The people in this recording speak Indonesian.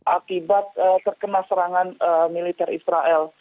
akibat terkena serangan militer israel